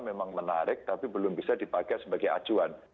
memang menarik tapi belum bisa dipakai sebagai acuan